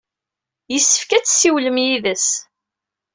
Yessefk ad tessiwlem yid-s.